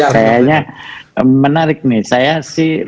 kayaknya menarik nih saya sih